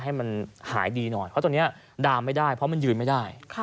ให้มันหายดีหน่อยเพราะตอนนี้ดามไม่ได้เพราะมันยืนไม่ได้